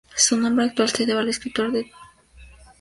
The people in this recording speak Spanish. Su nombre actual se debe al escritor León Tolstói.